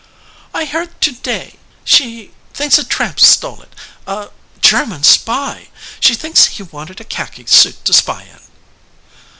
"I heard to day. She thinks a tramp stole it, a German spy. She thinks he wanted a khaki suit to spy in."